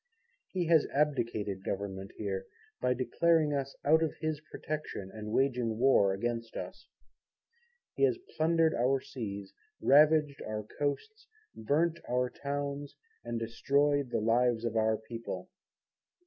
He has abdicated Government here, by declaring us out of his Protection and waging War against us. He has plundered our seas, ravaged our Coasts, burnt our towns, and destroyed the lives of our people.